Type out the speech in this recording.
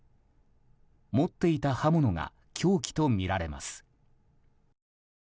持っていた刃物が凶器とみられます。